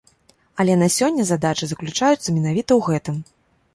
Але на сёння задача заключаецца менавіта ў гэтым.